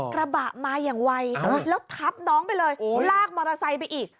กระบะมาอย่างไวแล้วทับน้องไปเลยลากมอเตอร์ไซค์ไปอีก